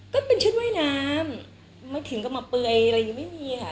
ก็เป็นชุดว่ายน้ำไม่ถึงก็มาเปลยอะไรอยู่ไม่มีอ่ะ